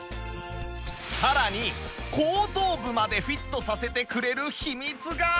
さらに後頭部までフィットさせてくれる秘密が